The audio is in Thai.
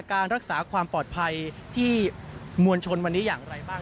การรักษาความปลอดภัยที่มวลชนวันนี้อย่างไรบ้าง